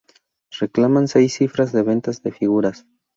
Reclaman seis cifras de ventas de figuras.